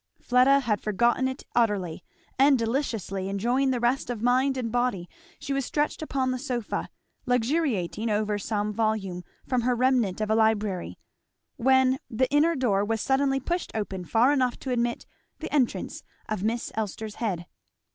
Fleda had forgotten it utterly, and deliciously enjoying the rest of mind and body she was stretched upon the sofa, luxuriating over some volume from her remnant of a library; when the inner door was suddenly pushed open far enough to admit the entrance of Miss Elster's head.